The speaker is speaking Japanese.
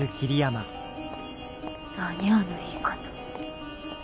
何あの言い方！